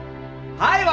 はい！